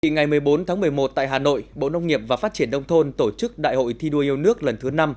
ngày một mươi bốn tháng một mươi một tại hà nội bộ nông nghiệp và phát triển đông thôn tổ chức đại hội thi đua yêu nước lần thứ năm